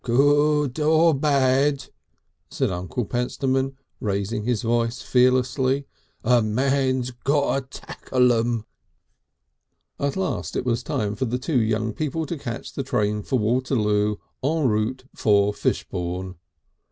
"Good or bad," said Uncle Pentstemon raising his voice fearlessly, "a man's got to tackle 'em." VIII At last it was time for the two young people to catch the train for Waterloo en route for Fishbourne.